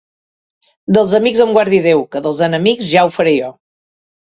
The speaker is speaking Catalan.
Dels amics em guardi Déu, que dels enemics ja ho faré jo.